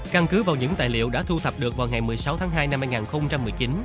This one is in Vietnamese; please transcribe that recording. căn cứ vào những tài liệu đã thu thập được vào ngày một mươi sáu tháng hai năm hai nghìn một mươi chín